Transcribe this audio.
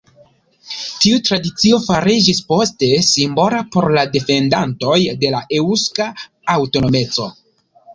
Tiu tradicio fariĝis poste simbola por la defendantoj de la eŭska aŭtonomeco.